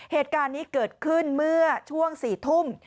เหตุการณ์นี้เกิดขึ้นเมื่อช่วง๔ทุ่ม